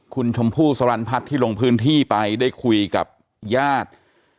คุณชมพู่สรรพัฒน์ที่ลงพื้นที่ไปได้คุยกับญาติ